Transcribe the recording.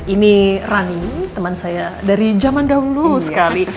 ini rani teman saya dari zaman dahulu sekali